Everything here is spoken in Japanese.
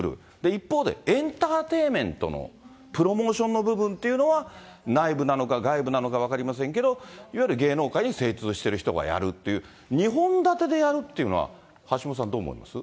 一方で、エンターテインメントのプロモーションの部分というのは、内部なのか外部なのか分かりませんけど、いわゆる芸能界に精通している人がやるっていう、２本立ててやるっていうのは、橋下さん、どう思います？